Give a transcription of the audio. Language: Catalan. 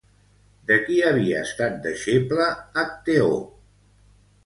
De qui havia estat deixeble Acteó?